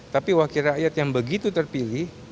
tapi wakil rakyat yang begitu terpilih